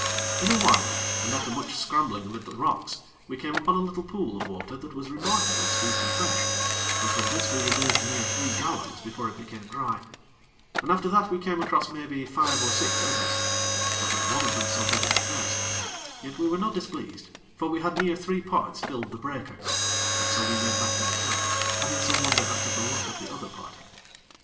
In a while, and after much scrambling amid the rocks, we came upon a little pool of water that was remarkably sweet and fresh, and from this we removed near three gallons before it became dry; and after that we came across, maybe, five or six others; but not one of them near so big as the first; yet we were not displeased; for we had near three parts filled the breaker, and so we made back to the camp, having some wonder as to the luck of the other party.